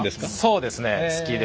そうですね好きで。